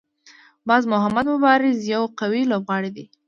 باز محمد مبارز یو قوي لوبغاړی دی.